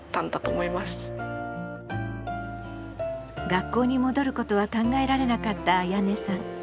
学校に戻ることは考えられなかったあやねさん。